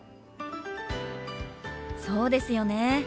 そうですよね。